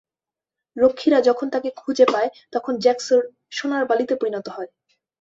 রক্ষীরা যখন তাকে খুঁজে পায়, তখন জ্যাকসন সোনার বালিতে পরিণত হয়।